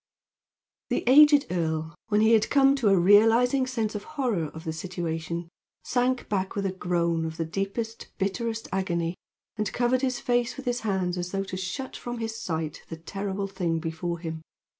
The aged earl, when he had come to a realizing sense of the horror of the situation, sank back with a groan of the deepest, bitterest agony, and covered his face with his hands as though to shut from his sight the terrible thing before him.